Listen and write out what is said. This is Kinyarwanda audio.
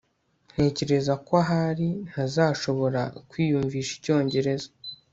ntekereza ko ahari ntazashobora kwiyumvisha icyongereza